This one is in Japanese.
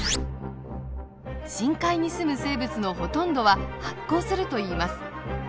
深海にすむ生物のほとんどは発光するといいます。